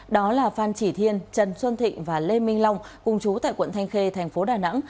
đó là phan chỉ thiên trần xuân thịnh và lê minh long cùng chú tại quận thanh khê thành phố đà nẵng